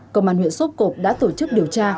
công an huyện sóc cộng đã tổ chức điều tra